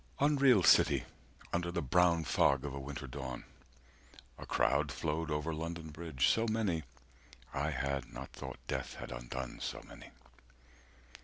Unreal City, 60 Under the brown fog of a winter dawn, A crowd flowed over London Bridge, so many, I had not thought death had undone so many.